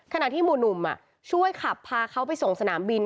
ขณะที่หมู่หนุ่มช่วยขับพาเขาไปส่งสนามบิน